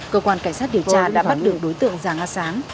cơ quan cảnh sát điều tra đã bắt được đối tượng giàng a sáng